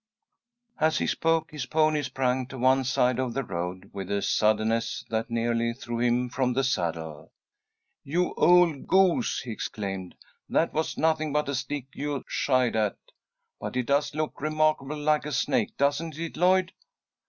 As he spoke, his pony sprang to one side of the road with a suddenness that nearly threw him from the saddle. "You old goose!" he exclaimed. "That was nothing but a stick you shied at. But it does look remarkably like a snake, doesn't it, Lloyd?